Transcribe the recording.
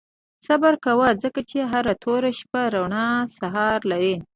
• صبر کوه، ځکه چې هره توره شپه روڼ سهار لري.